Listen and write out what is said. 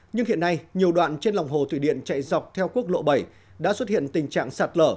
nhưng hiện nay nhiều đoạn trên lòng hồ thủy điện chạy dọc theo quốc lộ bảy đã xuất hiện tình trạng sạt lở